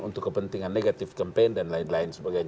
untuk kepentingan negatif campaign dan lain lain sebagainya